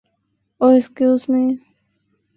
Oh, excuse me.